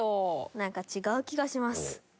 なんか違う気がします。